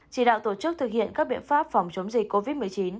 chỉ đạo tổ chức thực hiện các biện pháp phòng chống dịch covid một mươi chín